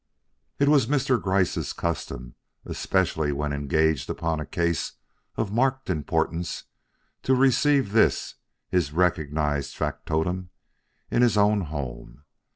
It was Mr. Gryce's custom, especially when engaged upon a case of marked importance, to receive this, his recognized factotum, in his own home.